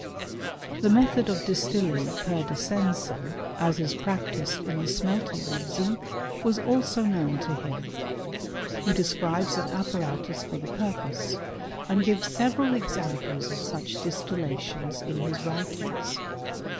The method of distilling /*er descensum, a& "» ^taa 122: HISTORY OF CHEMISTRY. ttsed in the smelting of zinc, was also known to him* He describes an apparatus for the purpose, and gives several examples of such distillations in his writings.